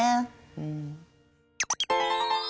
うん。